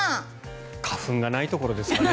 花粉がないところですかね。